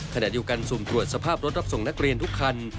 ขณะเดียวกันสุ่มตรวจสภาพรถรับส่งนักเรียนทุกคัน